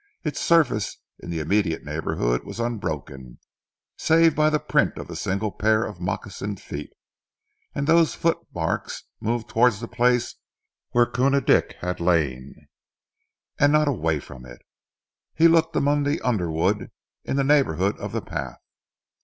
Its surface in the immediate neighbourhood was unbroken, save by the print of a single pair of moccasined feet, and those footmarks moved towards the place where Koona Dick had lain, and not away from it. He looked among the underwood in the neighbourhood of the path.